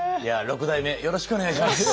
六代目よろしくお願いします。